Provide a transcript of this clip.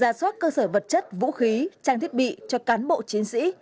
giả soát cơ sở vật chất vũ khí trang thiết bị cho cán bộ chiến sĩ